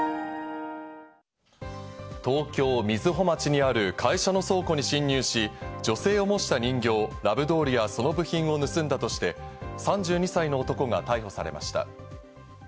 東京・瑞穂町にある会社の倉庫に侵入し、女性を模した人形・ラブドールや、その部品を盗んだとして、３２歳の男が逮捕されました。